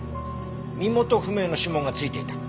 身元不明の指紋が付いていた。